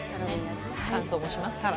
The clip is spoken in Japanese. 乾燥もしますから。